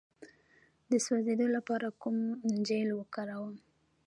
د سوځیدو لپاره کوم جیل وکاروم؟